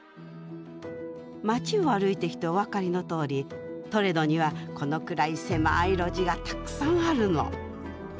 街を歩いてきてお分かりのとおりトレドにはこのくらい狭い路地がたくさんあるの。